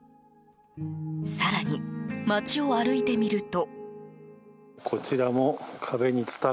更に、街を歩いてみると。